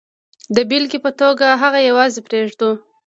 د بېلګې په توګه هغه یوازې پرېږدو.